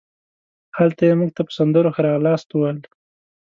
هلته یې مونږ ته په سندرو ښه راغلاست وویل.